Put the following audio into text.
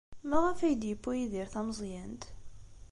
Maɣef ay d-yewwi Yidir tameẓyant?